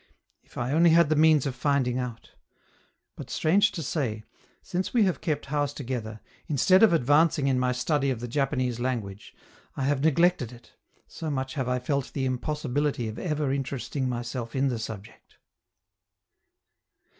If I only had the means of finding out! But strange to say, since we have kept house together, instead of advancing in my study of the Japanese language, I have neglected it, so much have I felt the impossibility of ever interesting myself in the subject.